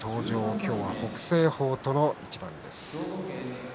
今日は北青鵬との一番です。